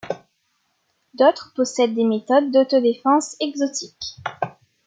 D'autres possèdent des méthodes d'auto-défense exotiques.